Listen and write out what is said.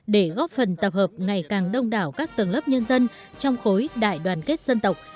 để góp phần tập hợp ngày càng đông đảo các tầng lớp nhân dân trong khối đại đoàn kết dân tộc